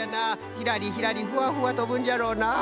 ひらりひらりふわふわとぶんじゃろうな！